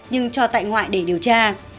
nhưng cho tại ngoại để điều tra